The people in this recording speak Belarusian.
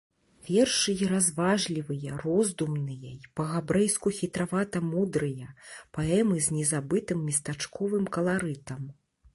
Вершы й разважлівыя, роздумныя, й па-габрэйску хітравата-мудрыя, паэмы з незабытым местачковым каларытам.